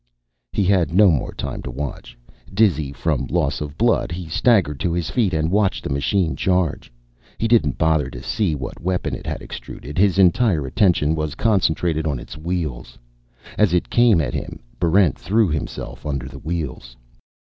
He had no more time to watch. Dizzy from loss of blood, he staggered to his feet and watched the machine charge. He didn't bother to see what weapon it had extruded; his entire attention was concentrated on its wheels. As it came at him, Barrent threw himself under the wheels.